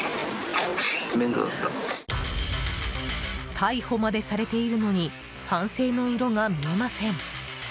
逮捕までされているのに反省の色が見えません。